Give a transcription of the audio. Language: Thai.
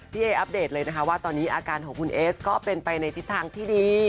พี่เออัปเดตเลยนะคะว่าตอนนี้อาการของคุณเอสก็เป็นไปในทิศทางที่ดี